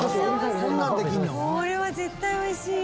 これは絶対美味しいよ。